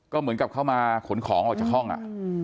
ก็เหมือนกับเข้ามาขนของออกจากห้องอ่ะ